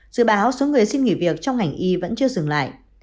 dự báo số người xin nghỉ việc trong ngành y vẫn chưa dừng lại